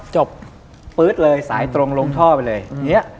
จบปื๊ดเลยสายตรงลงท่อไปเลย